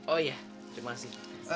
oh iya terima kasih